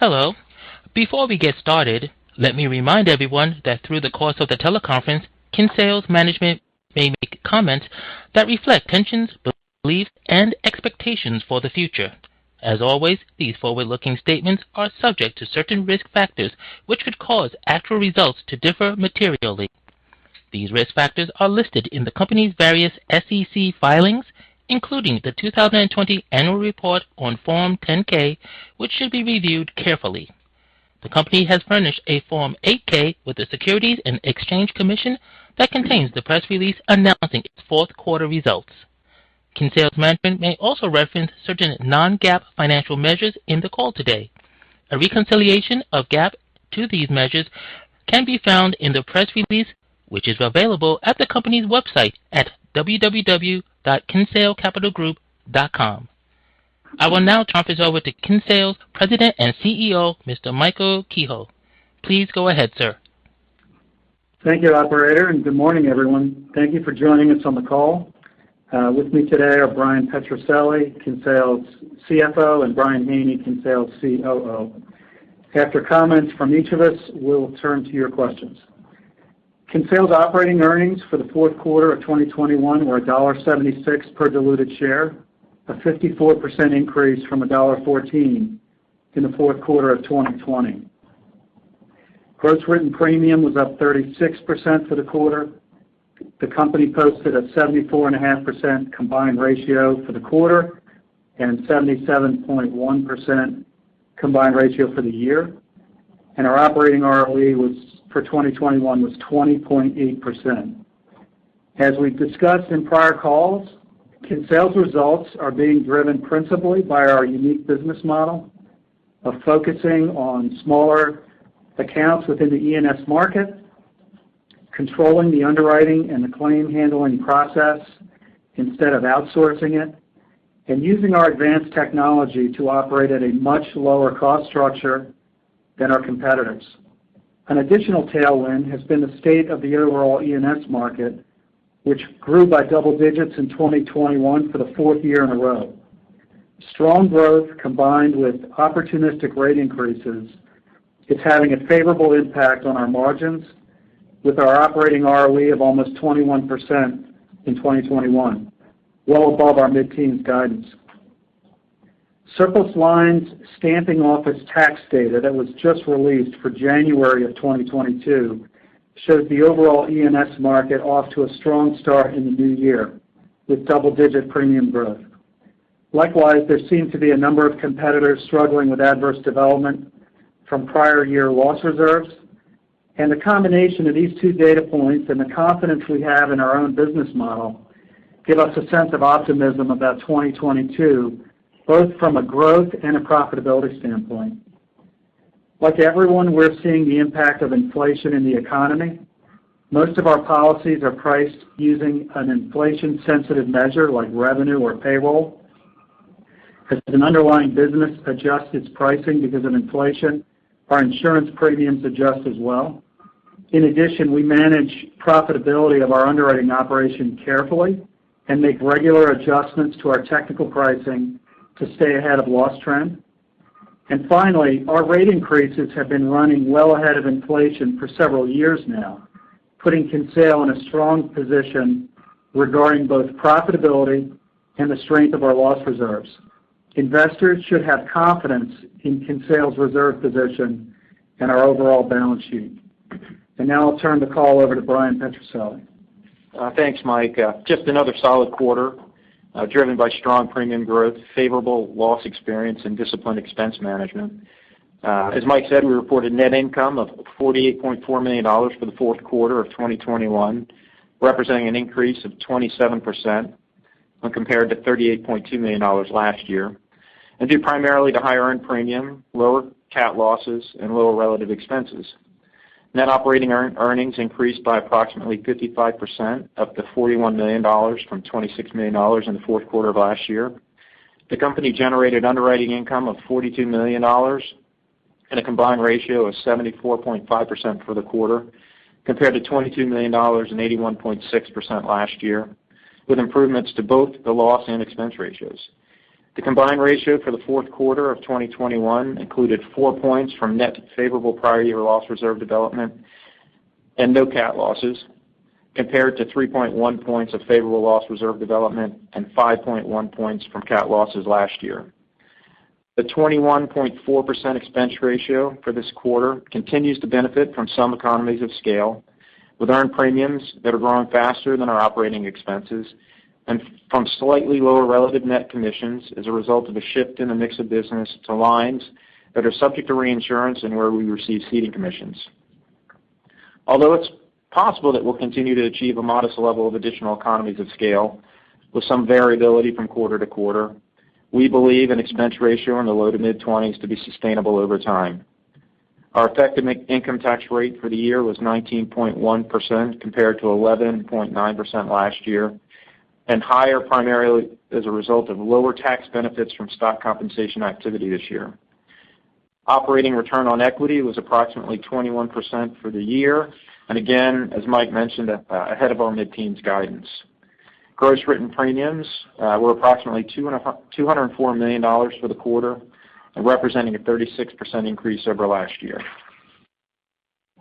Hello. Before we get started, let me remind everyone that through the course of the teleconference, Kinsale's management may make comments that reflect intentions, beliefs, and expectations for the future. As always, these forward-looking statements are subject to certain risk factors, which could cause actual results to differ materially. These risk factors are listed in the company's various SEC filings, including the 2020 annual report on Form 10-K, which should be reviewed carefully. The company has furnished a Form 8-K with the Securities and Exchange Commission that contains the press release announcing its fourth quarter results. Kinsale's management may also reference certain non-GAAP financial measures in the call today. A reconciliation of GAAP to these measures can be found in the press release, which is available at the company's website at www.kinsalecapitalgroup.com. I will now turn this over to Kinsale's President and CEO, Mr. Michael Kehoe. Please go ahead, sir. Thank you, operator, and good morning, everyone. Thank you for joining us on the call. With me today are Bryan Petrucelli, Kinsale's CFO, and Brian Haney, Kinsale's COO. After comments from each of us, we'll turn to your questions. Kinsale's operating earnings for the fourth quarter of 2021 were $1.76 per diluted share, a 54% increase from $1.14 in the fourth quarter of 2020. Gross written premium was up 36% for the quarter. The company posted a 74.5% combined ratio for the quarter, and 77.1% combined ratio for the year. Our operating ROE was, for 2021, was 20.8%. As we've discussed in prior calls, Kinsale's results are being driven principally by our unique business model of focusing on smaller accounts within the E&S market, controlling the underwriting and the claim handling process instead of outsourcing it, and using our advanced technology to operate at a much lower cost structure than our competitors. An additional tailwind has been the state of the overall E&S market, which grew by double digits in 2021 for the fourth year in a row. Strong growth combined with opportunistic rate increases is having a favorable impact on our margins, with our operating ROE of almost 21% in 2021, well above our mid-teens guidance. Surplus lines stamping office tax data that was just released for January of 2022 shows the overall E&S market off to a strong start in the new year, with double-digit premium growth. Likewise, there seem to be a number of competitors struggling with adverse development from prior year loss reserves. The combination of these two data points and the confidence we have in our own business model give us a sense of optimism about 2022, both from a growth and a profitability standpoint. Like everyone, we're seeing the impact of inflation in the economy. Most of our policies are priced using an inflation-sensitive measure, like revenue or payroll. As an underlying business adjusts its pricing because of inflation, our insurance premiums adjust as well. In addition, we manage profitability of our underwriting operation carefully and make regular adjustments to our technical pricing to stay ahead of loss trend. Finally, our rate increases have been running well ahead of inflation for several years now, putting Kinsale in a strong position regarding both profitability and the strength of our loss reserves. Investors should have confidence in Kinsale's reserve position and our overall balance sheet. Now I'll turn the call over to Bryan Petrucelli. Thanks, Mike. Just another solid quarter, driven by strong premium growth, favorable loss experience, and disciplined expense management. As Mike said, we reported net income of $48.4 million for the fourth quarter of 2021, representing an increase of 27% when compared to $38.2 million last year, and due primarily to higher earned premium, lower cat losses, and lower relative expenses. Net operating earnings increased by approximately 55%, up to $41 million from $26 million in the fourth quarter of last year. The company generated underwriting income of $42 million and a combined ratio of 74.5% for the quarter, compared to $22 million and 81.6% last year, with improvements to both the loss and expense ratios. The combined ratio for the fourth quarter of 2021 included 4 points from net favorable prior year loss reserve development and no cat losses, compared to 3.1 points of favorable loss reserve development and 5.1 points from cat losses last year. The 21.4% expense ratio for this quarter continues to benefit from some economies of scale, with earned premiums that are growing faster than our operating expenses and from slightly lower relative net commissions as a result of a shift in the mix of business to lines that are subject to reinsurance and where we receive ceding commissions. Although it's possible that we'll continue to achieve a modest level of additional economies of scale with some variability from quarter to quarter, we believe an expense ratio in the low to mid-20s to be sustainable over time. Our effective income tax rate for the year was 19.1% compared to 11.9% last year, and higher primarily as a result of lower tax benefits from stock compensation activity this year. Operating return on equity was approximately 21% for the year, and again, as Mike mentioned, ahead of our mid-teens guidance. Gross written premiums were approximately $204 million for the quarter, representing a 36% increase over last year.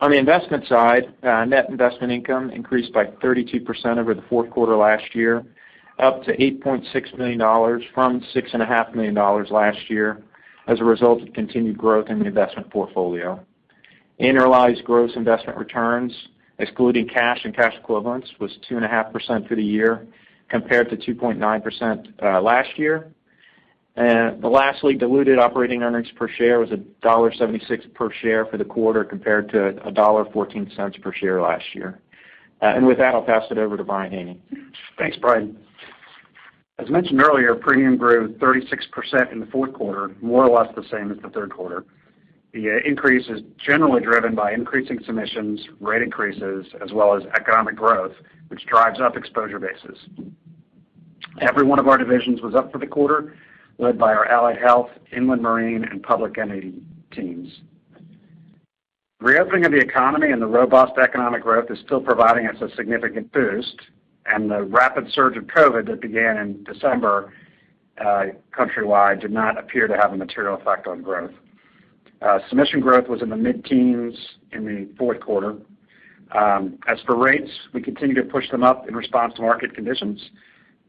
On the investment side, net investment income increased by 32% over the fourth quarter last year, up to $8.6 million from $6.5 million last year as a result of continued growth in the investment portfolio. Annualized gross investment returns, excluding cash and cash equivalents, was 2.5% for the year compared to 2.9% last year. Lastly, diluted operating earnings per share was $1.76 per share for the quarter compared to $1.14 per share last year. With that, I'll pass it over to Brian Haney. Thanks, Bryan. As mentioned earlier, premium grew 36% in the fourth quarter, more or less the same as the third quarter. The increase is generally driven by increasing submissions, rate increases, as well as economic growth, which drives up exposure bases. Every one of our divisions was up for the quarter, led by our Allied Health, Inland Marine, and Public Entity teams. Reopening of the economy and the robust economic growth is still providing us a significant boost, and the rapid surge of COVID that began in December countrywide did not appear to have a material effect on growth. Submission growth was in the mid-teens in the fourth quarter. As for rates, we continue to push them up in response to market conditions.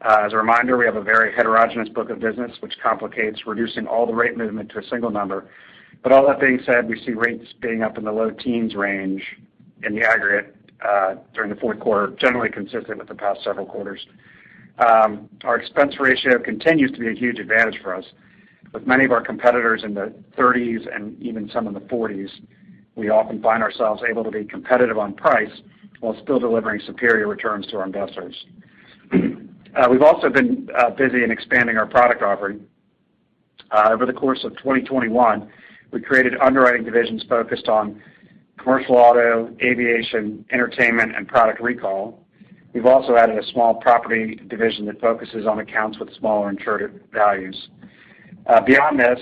As a reminder, we have a very heterogeneous book of business, which complicates reducing all the rate movement to a single number. All that being said, we see rates being up in the low teens% range in the aggregate, during the fourth quarter, generally consistent with the past several quarters. Our expense ratio continues to be a huge advantage for us. With many of our competitors in the 30s% and even some in the 40s%, we often find ourselves able to be competitive on price while still delivering superior returns to our investors. We've also been busy in expanding our product offering. Over the course of 2021, we created underwriting divisions focused on Commercial Auto, Aviation, Entertainment, and Product Recall. We've also added a small Property division that focuses on accounts with smaller insured values. Beyond this,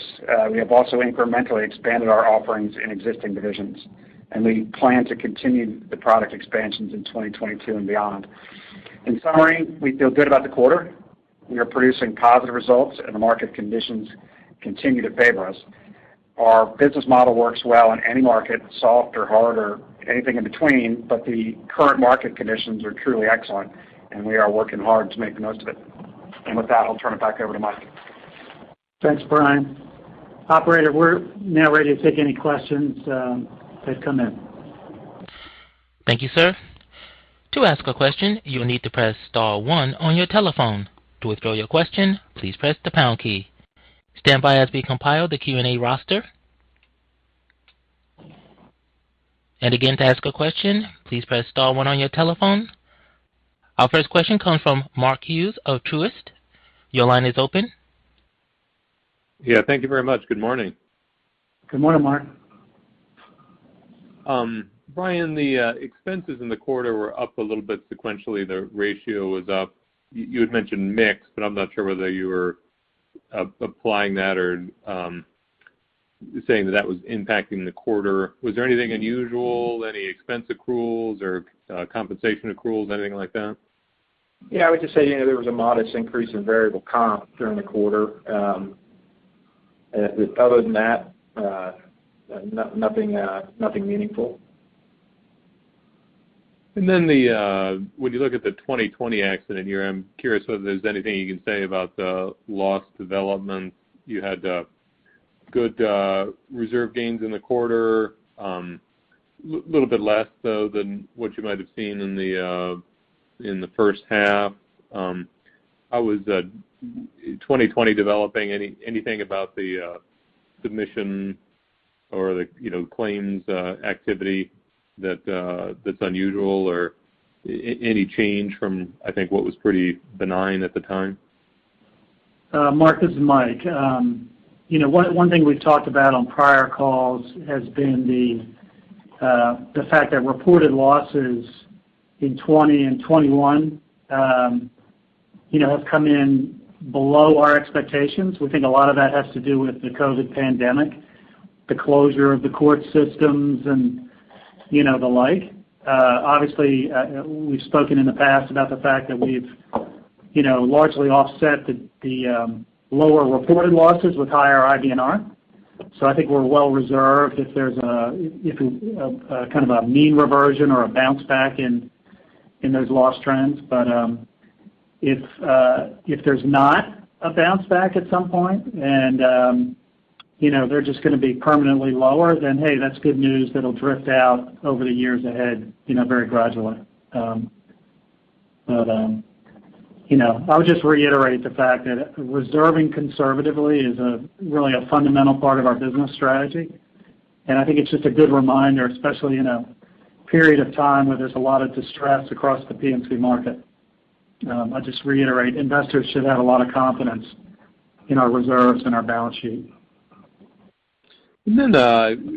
we have also incrementally expanded our offerings in existing divisions, and we plan to continue the product expansions in 2022 and beyond. In summary, we feel good about the quarter. We are producing positive results, and the market conditions continue to favor us. Our business model works well in any market, soft or hard or anything in between, but the current market conditions are truly excellent, and we are working hard to make the most of it. With that, I'll turn it back over to Mike. Thanks, Brian. Operator, we're now ready to take any questions that come in. Thank you, sir. To ask a question, you will need to press star one on your telephone. To withdraw your question, please press the pound key. Stand by as we compile the Q&A roster. Again, to ask a question, please press star one on your telephone. Our first question comes from Mark Hughes of Truist. Your line is open. Yeah, thank you very much. Good morning. Good morning, Mark. Brian, the expenses in the quarter were up a little bit sequentially. The ratio was up. You had mentioned mix, but I'm not sure whether you were applying that or saying that was impacting the quarter. Was there anything unusual, any expense accruals or compensation accruals, anything like that? Yeah, I would just say, you know, there was a modest increase in variable comp during the quarter. Other than that, nothing meaningful. When you look at the 2020 accident year, I'm curious whether there's anything you can say about the loss development. You had good reserve gains in the quarter. A little bit less though than what you might have seen in the first half. How was 2020 developing? Anything about the submission or the, you know, claims activity that's unusual or any change from, I think, what was pretty benign at the time? Mark, this is Mike. You know, one thing we've talked about on prior calls has been the fact that reported losses in 2020 and 2021 have come in below our expectations. We think a lot of that has to do with the COVID pandemic, the closure of the court systems and, you know, the like. Obviously, we've spoken in the past about the fact that we've largely offset the lower reported losses with higher IBNR. I think we're well reserved if there's kind of a mean reversion or a bounce back in those loss trends. If there's not a bounce back at some point and you know, they're just gonna be permanently lower, then hey, that's good news. It'll drift out over the years ahead, you know, very gradually. But, you know, I would just reiterate the fact that reserving conservatively is really a fundamental part of our business strategy. I think it's just a good reminder, especially in a period of time where there's a lot of distress across the P&C market. I just reiterate, investors should have a lot of confidence in our reserves and our balance sheet.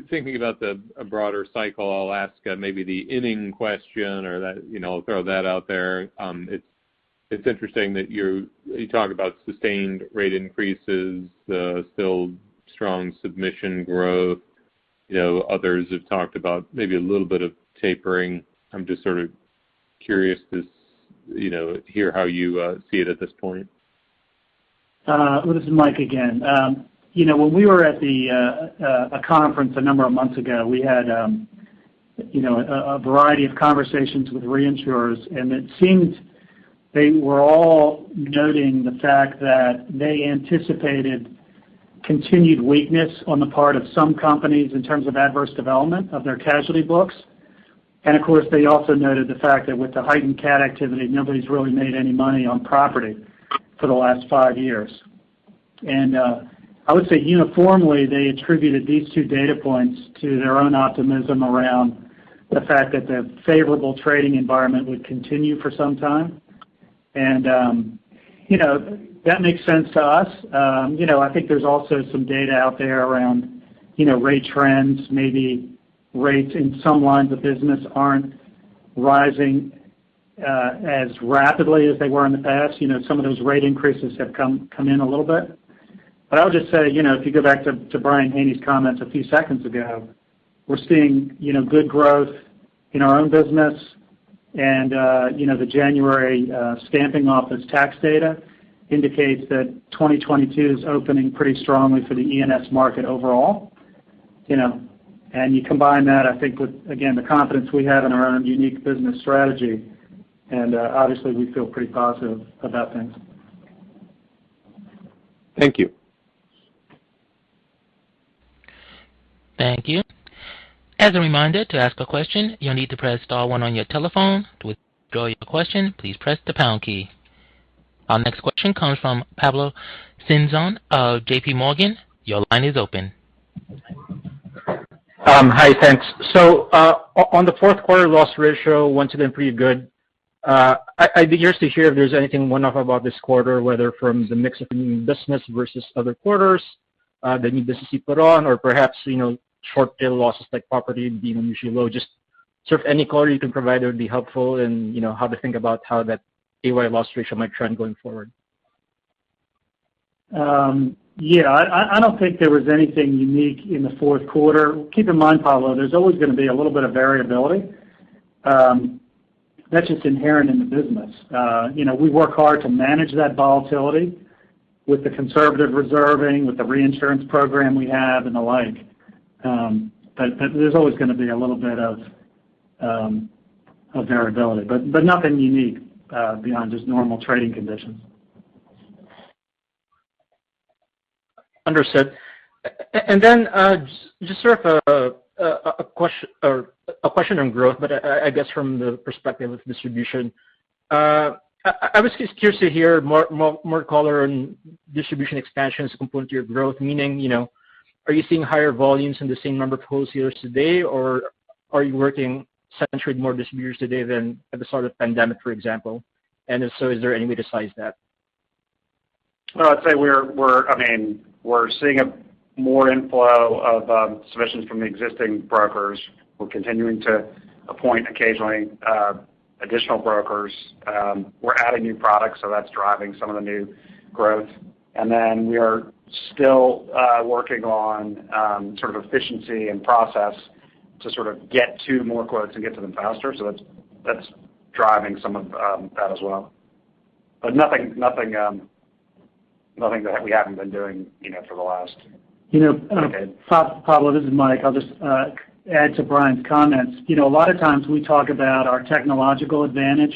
Thinking about a broader cycle, I'll ask maybe the inning question or that, you know, throw that out there. It's interesting that you talk about sustained rate increases, still strong submission growth. You know, others have talked about maybe a little bit of tapering. I'm just sort of curious, you know, to hear how you see it at this point. This is Mike again. You know, when we were at a conference a number of months ago, we had you know, a variety of conversations with reinsurers. It seemed they were all noting the fact that they anticipated continued weakness on the part of some companies in terms of adverse development of their casualty books. Of course, they also noted the fact that with the heightened cat activity, nobody's really made any money on property for the last five years. I would say uniformly, they attributed these two data points to their own optimism around the fact that the favorable trading environment would continue for some time. You know, that makes sense to us. You know, I think there's also some data out there around, you know, rate trends, maybe rates in some lines of business aren't rising as rapidly as they were in the past. You know, some of those rate increases have come in a little bit. I'll just say, you know, if you go back to Brian Haney's comments a few seconds ago, we're seeing, you know, good growth in our own business. You know, the January stamping office tax data indicates that 2022 is opening pretty strongly for the E&S market overall, you know. You combine that, I think, with, again, the confidence we have in our own unique business strategy, and obviously, we feel pretty positive about things. Thank you. Thank you. As a reminder, to ask a question, you'll need to press star one on your telephone. To withdraw your question, please press the pound key. Our next question comes from Pablo Singzon of JPMorgan. Your line is open. Hi, thanks. On the fourth quarter loss ratio, once again, pretty good. I'd be curious to hear if there's anything one-off about this quarter, whether from the mix of new business versus other quarters, the new business you put on or perhaps, you know, short tail losses like property being unusually low. Just sort of any color you can provide there would be helpful in, you know, how to think about how that AY loss ratio might trend going forward. Yeah. I don't think there was anything unique in the fourth quarter. Keep in mind, Pablo, there's always gonna be a little bit of variability. That's just inherent in the business. You know, we work hard to manage that volatility with the conservative reserving, with the reinsurance program we have, and the like. But there's always gonna be a little bit of variability, but nothing unique beyond just normal trading conditions. Understood. Just sort of a question on growth, but I guess from the perspective of distribution. I was just curious to hear more color on distribution expansion as a component to your growth. Meaning, you know, are you seeing higher volumes in the same number of wholesalers today, or are you working centrally with more distributors today than at the start of the pandemic, for example? If so, is there any way to size that? Well, I'd say we're I mean, we're seeing more inflow of submissions from the existing brokers. We're continuing to appoint occasionally additional brokers. We're adding new products, so that's driving some of the new growth. We are still working on sort of efficiency and process to sort of get to more quotes and get to them faster. That's driving some of that as well. Nothing that we haven't been doing, you know, for the last decade. You know, Pablo, this is Mike. I'll just add to Bryan's comments. You know, a lot of times we talk about our technological advantage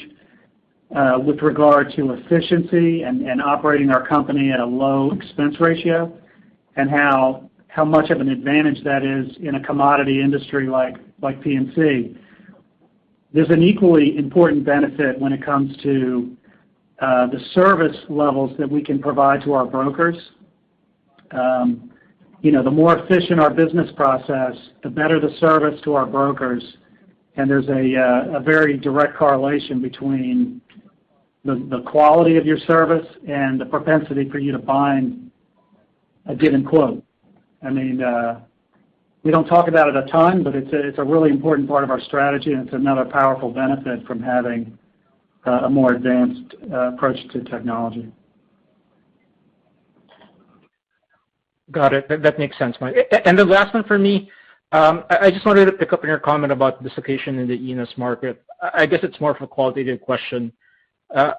with regard to efficiency and operating our company at a low expense ratio and how much of an advantage that is in a commodity industry like P&C. There's an equally important benefit when it comes to the service levels that we can provide to our brokers. You know, the more efficient our business process, the better the service to our brokers. There's a very direct correlation between the quality of your service and the propensity for you to bind a given quote. I mean, we don't talk about it a ton, but it's a really important part of our strategy, and it's another powerful benefit from having a more advanced approach to technology. Got it. That makes sense, Mike. The last one for me, I just wanted to pick up on your comment about dislocation in the E&S market. I guess it's more of a qualitative question.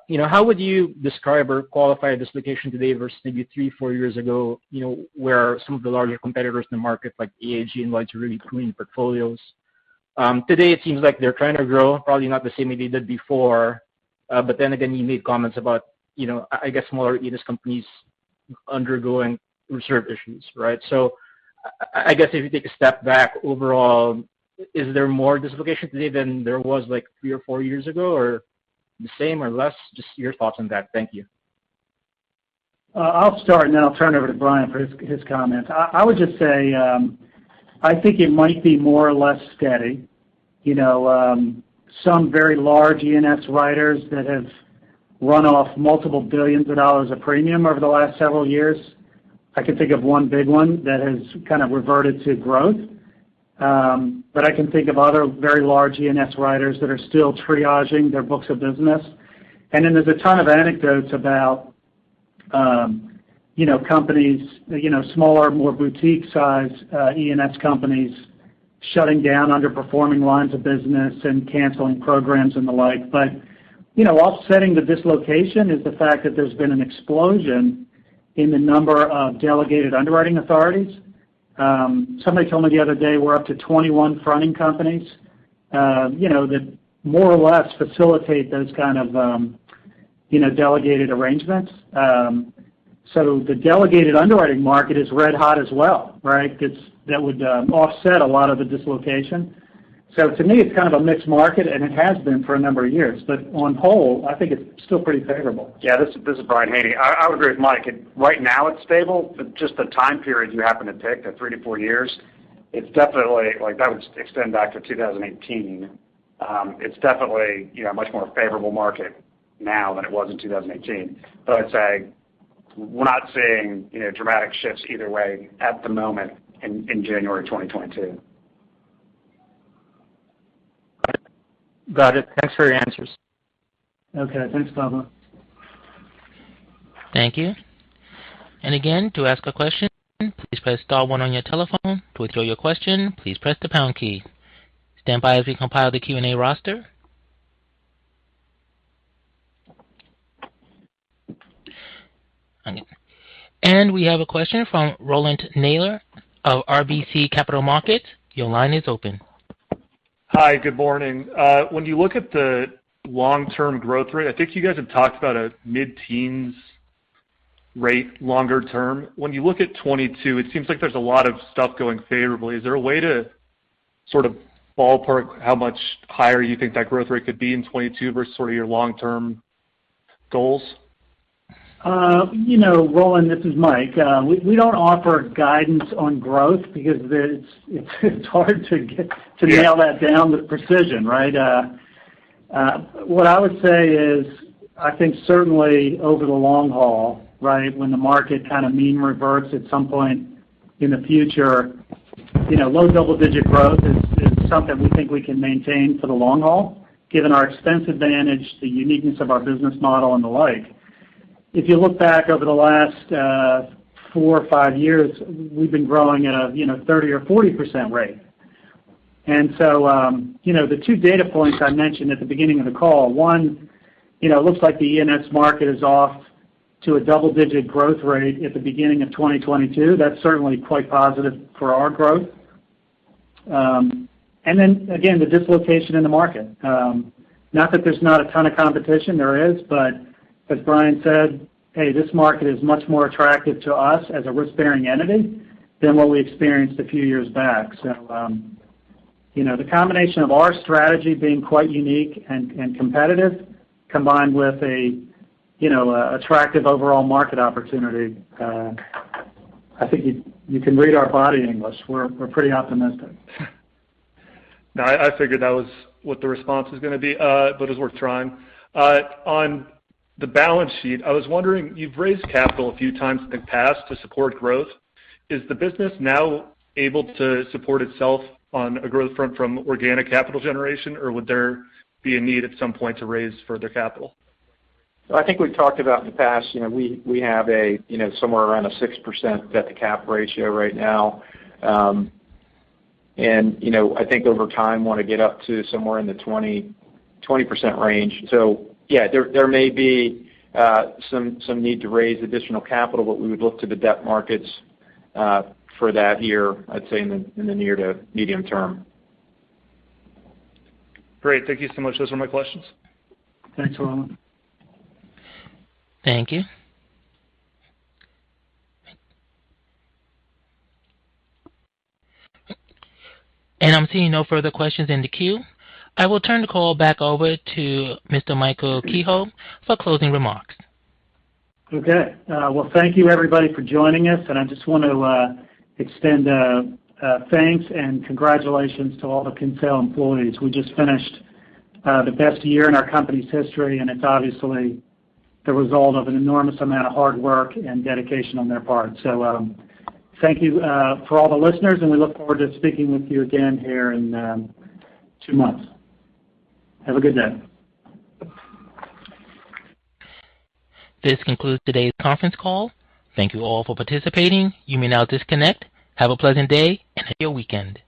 You know, how would you describe or qualify a dislocation today versus maybe three, four years ago, you know, where some of the larger competitors in the market, like AIG and Lloyd's, really clean portfolios. Today it seems like they're trying to grow, probably not the same way they did before. But then again, you made comments about, you know, I guess smaller E&S companies undergoing reserve issues, right. I guess if you take a step back overall, is there more dislocation today than there was like three or four years ago, or the same or less. Just your thoughts on that. Thank you. I'll start and then I'll turn it over to Brian for his comments. I would just say, I think it might be more or less steady. You know, some very large E&S writers that have run off multiple $ billions of premium over the last several years. I can think of one big one that has kind of reverted to growth. But I can think of other very large E&S writers that are still triaging their books of business. There's a ton of anecdotes about, you know, companies, you know, smaller, more boutique-sized, E&S companies shutting down underperforming lines of business and canceling programs and the like. You know, offsetting the dislocation is the fact that there's been an explosion in the number of delegated underwriting authorities. Somebody told me the other day we're up to 21 fronting companies, you know, that more or less facilitate those kind of, you know, delegated arrangements. The delegated underwriting market is red-hot as well, right? That would offset a lot of the dislocation. To me, it's kind of a mixed market, and it has been for a number of years. On the whole, I think it's still pretty favorable. Yeah. This is Brian Haney. I agree with Mike. Right now it's stable, but just the time period you happen to pick, the three to four years, it's definitely like that would extend back to 2018. It's definitely, you know, much more favorable market now than it was in 2018. But I'd say we're not seeing, you know, dramatic shifts either way at the moment in January 2022. Got it. Thanks for your answers. Okay. Thanks, Pablo. We have a question from Rowland Mayor of RBC Capital Markets. Your line is open. Hi. Good morning. When you look at the long-term growth rate, I think you guys have talked about a mid-teens% rate longer term. When you look at 2022, it seems like there's a lot of stuff going favorably. Is there a way to sort of ballpark how much higher you think that growth rate could be in 2022 versus sort of your long-term goals? You know, Rowland, this is Mike. We don't offer guidance on growth because it's hard to nail that down with precision, right? What I would say is I think certainly over the long haul, right? When the market kind of mean reverts at some point in the future, you know, low double-digit growth is something we think we can maintain for the long haul, given our expense advantage, the uniqueness of our business model and the like. If you look back over the last four or five years, we've been growing at a 30% or 40% rate. You know, the two data points I mentioned at the beginning of the call. One, you know, looks like the E&S market is off to a double-digit growth rate at the beginning of 2022. That's certainly quite positive for our growth. The dislocation in the market, not that there's not a ton of competition, there is, but as Brian said, hey, this market is much more attractive to us as a risk-bearing entity than what we experienced a few years back. You know, the combination of our strategy being quite unique and competitive combined with attractive overall market opportunity, I think you can read our body English. We're pretty optimistic. No, I figured that was what the response was gonna be, but it was worth trying. On the balance sheet, I was wondering, you've raised capital a few times in the past to support growth. Is the business now able to support itself on a growth front from organic capital generation, or would there be a need at some point to raise further capital? I think we've talked about in the past you know we have you know somewhere around a 6% debt to cap ratio right now. I think over time wanna get up to somewhere in the 20% range. Yeah there may be some need to raise additional capital but we would look to the debt markets for that here I'd say in the near to medium term. Great. Thank you so much. Those were my questions. Thanks, Rowland. Thank you. I'm seeing no further questions in the queue. I will turn the call back over to Mr. Michael Kehoe for closing remarks. Okay. Well, thank you everybody for joining us, and I just want to extend thanks and congratulations to all the Kinsale employees. We just finished the best year in our company's history, and it's obviously the result of an enormous amount of hard work and dedication on their part. Thank you for all the listeners, and we look forward to speaking with you again here in two months. Have a good day. This concludes today's conference call. Thank you all for participating. You may now disconnect. Have a pleasant day, and have a good weekend.